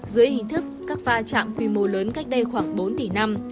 dưới hình thức các pha chạm quy mô lớn cách đây khoảng bốn tỷ năm